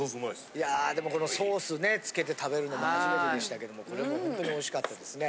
いやでもこのソースねつけて食べるのも初めてでしたけどこれもほんとにおいしかったですね。